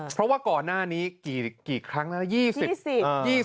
เพราะว่าก่อนหน้านี้กี่ครั้งแล้วนะ